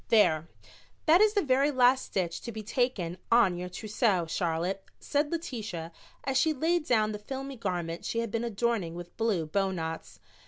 "There, that is the very last stitch to be taken on your trousseau, Charlotte," said Letitia, as she laid down the filmy garment she had been adorning with blue bowknots.